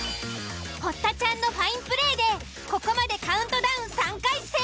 堀田ちゃんのファインプレーでここまでカウントダウン３回成功！